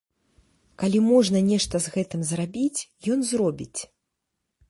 Калі можна нешта з гэтым зрабіць, ён зробіць.